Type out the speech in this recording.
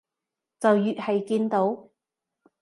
就越係見到